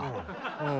うん。